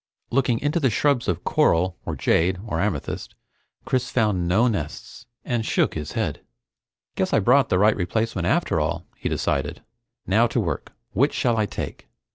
Looking into shrubs of coral, or jade, or amethyst, Chris found no nests, and shook his head. Guess I brought the right replacement after all, he decided. Now to work. Which shall I take?